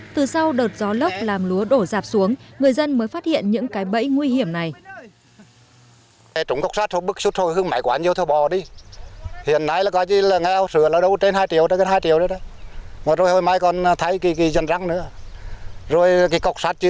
từ sau đợt gió lốc làm lúa đổ dạp xuống người dân mới phát hiện những cái bẫy nguy hiểm này